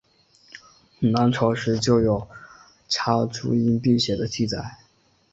南朝时就有插茱萸辟邪的记载。